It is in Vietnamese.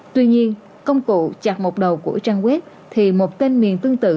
tuy nhiên công cụ chặt một đầu của trang web thì một tên miền tương tự